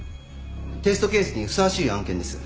テストケースにふさわしい案件です。